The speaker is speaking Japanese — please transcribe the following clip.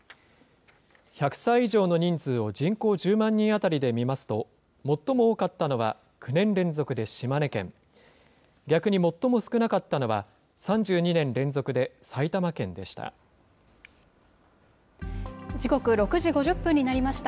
１００歳以上の人数を人口１０万人当たりで見ますと、最も多かったのは９年連続で島根県、逆に最も少なかったのは、３２年連続で時刻、６時５０分になりました。